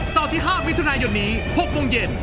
เสาร์ที่๕วิทยุนายนยนต์นี้๖โมงเย็น